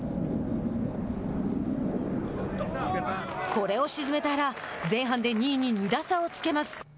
これを沈めた原前半で２位に２打差をつけます。